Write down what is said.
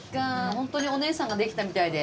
ホントにお姉さんができたみたいで。